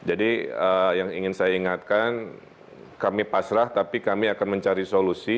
jadi yang ingin saya ingatkan kami pasrah tapi kami akan mencari solusi